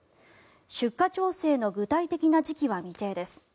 出荷調整の具体的な時期は未定です。